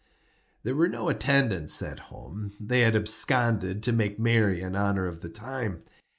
There were no attendants at home; they had absconded to make merry in honor of the time.